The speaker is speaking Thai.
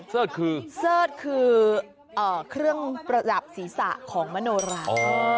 เสิร์ชคือเสิร์ธคือเครื่องประดับศีรษะของมโนรา